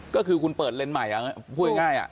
ก็คือคุณเปิดเลนส์ใหม่พูดง่าย